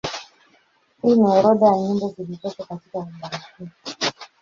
Hii ni orodha ya nyimbo zilizopo katika albamu hii.